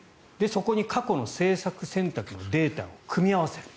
そこに過去の政策選択のデータを組み合わせる。